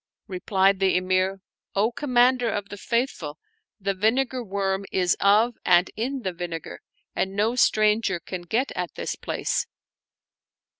Replied the Emir^ " O Commander of the Faithful, the vinegar worm is of and in the vinegar,, and no stranger can get at this place."